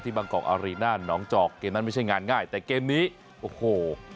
บางกอกอารีน่านหนองจอกเกมนั้นไม่ใช่งานง่ายแต่เกมนี้โอ้โห